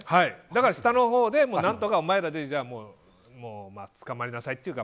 下のほうで何とかお前らで捕まりなさいっていうか。